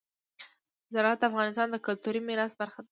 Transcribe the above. زراعت د افغانستان د کلتوري میراث برخه ده.